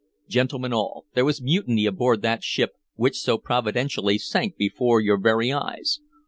Gentlemen all, there was mutiny aboard that ship which so providentially sank before your very eyes.